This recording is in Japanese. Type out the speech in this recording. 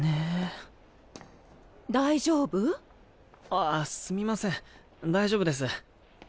あっすみません大丈夫です。